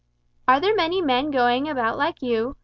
"Are there many men going about like you?"